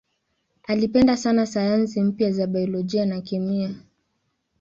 Alipenda sana sayansi mpya za biolojia na kemia.